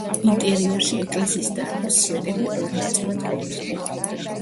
ინტერიერში ეკლესიის დარბაზს სვეტები ორ ნაწილად ყოფდნენ.